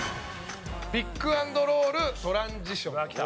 ピック＆ロールトランジション。